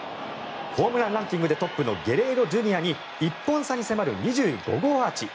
ホームランランキングでトップのゲレーロＪｒ．に１本差に迫る２５号アーチ。